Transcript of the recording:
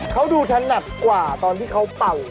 เขาดูถนัดกว่าตอนที่เขาเป่า